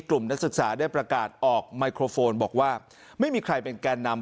นักศึกษาได้ประกาศออกไมโครโฟนบอกว่าไม่มีใครเป็นแกนนำ